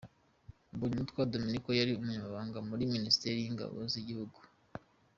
Mbonyumutwa Dominiko yari umunyamabanga muri minisiteri y’ingabo z’igihugu.